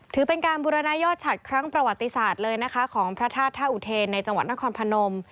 ถือเป็นการบุรณยอดฉัดครั้งประวัติศาสตร์เลยนะคะของพระธาตุท่าอุเทนในจังหวัดนครพนม